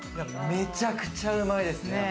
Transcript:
めちゃくちゃうまいですね。